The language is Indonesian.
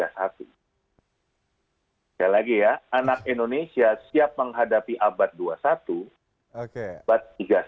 sekali lagi ya anak indonesia siap menghadapi abad dua puluh satu abad tiga puluh satu